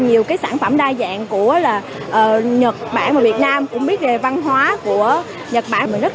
nhiều cái sản phẩm đa dạng của nhật bản và việt nam cũng biết về văn hóa của nhật bản mình rất